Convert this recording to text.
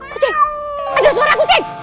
kucing ada suara kucing